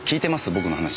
僕の話。